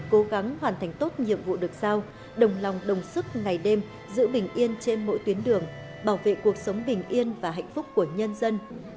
cố gắng hoàn thành tốt nhiệm vụ được sao đồng lòng đồng sức ngày đêm giữ bình yên trên mỗi tuyến đường bảo vệ cuộc sống bình yên và hạnh phúc của nhân dân